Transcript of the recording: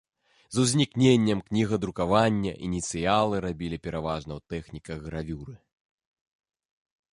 З узнікненнем кнігадрукавання ініцыялы рабілі пераважна ў тэхніках гравюры.